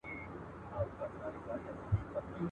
روح ئې ښاد او پر ګور ئې نور